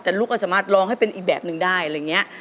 แต่ลูกก็สามารถร้องให้เป็นอีกแบบนึงได้อะไรอย่างนี้